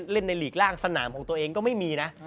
เล่นในหลีกล่างสนามของตัวเองก็ไม่มีนะ